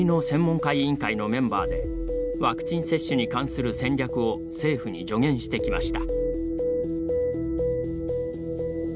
国の専門家委員会のメンバーでワクチン接種に関する戦略を政府に助言してきました。